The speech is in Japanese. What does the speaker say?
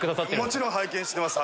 もちろん拝見してます。